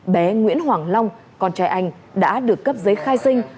bé nguyễn hoàng long con trai anh đã được cấp giấy khai sinh